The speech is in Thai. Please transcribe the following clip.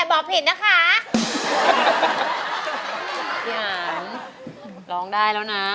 อย่างร้องได้แล้วนะ